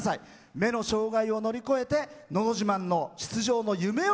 目の障害を乗り越えて「のど自慢」出場の夢を